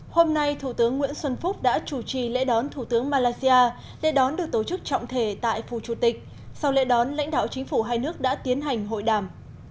hôm nay thủ tướng nguyễn xuân phúc đã chủ trì lễ đón thủ tướng malaysia lễ đón được tổ chức trọng thể tại phù chủ tịch sau lễ đón lãnh đạo chính phủ hai nước đã tiến hành hội đàm